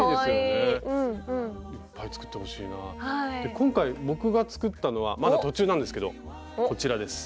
今回僕が作ったのはまだ途中なんですけどこちらです。